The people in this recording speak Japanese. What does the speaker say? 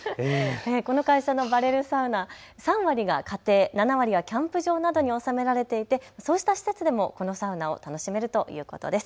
この会社のバレルサウナ、３割が家庭、７割はキャンプ場などに納められていてそうした施設でもこのサウナを楽しめるということです。